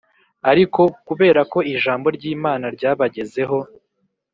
Ariko kubera ko ijambo ry’imana ryabagezeho